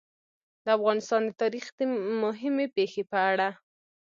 د افغانستان د تاریخ د مهمې پېښې په اړه.